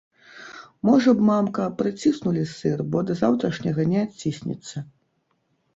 Можа б, мамка, прыціснулі сыр, бо да заўтрашняга не адціснецца.